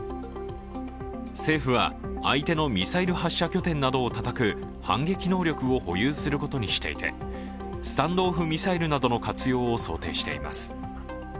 政府は、相手のミサイル発射拠点などをたたく反撃能力を保有することにしていて、スタンド・オフ・ミサイルなどの活用を想定しています。